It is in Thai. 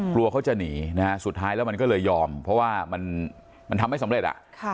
กลัวเขาจะหนีนะฮะสุดท้ายแล้วมันก็เลยยอมเพราะว่ามันทำไม่สำเร็จ